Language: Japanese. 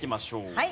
はい。